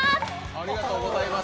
ありがとうございます。